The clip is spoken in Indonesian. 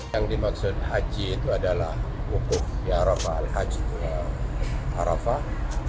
yang dimaksud haji itu adalah wukuf di arafah